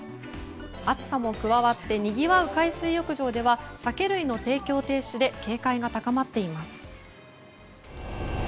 暑さも加わってにぎわう海水浴場では酒類の提供停止で警戒が高まっています。